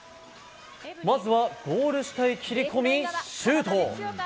まずは、ゴール下へ切り込みシュート！